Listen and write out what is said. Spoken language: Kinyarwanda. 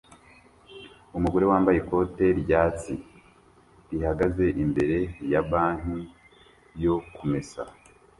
Umugore wambaye ikote ryatsi rihagaze imbere ya banki yo kumesa